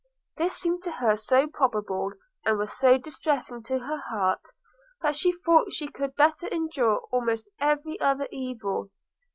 This seemed to her so probable, and was so distressing to her heart, that she thought she could better endure almost every other evil.